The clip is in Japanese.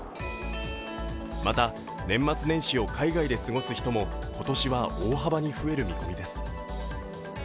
また、年末年始を海外で過ごす人も今年は大幅に増える見込みです。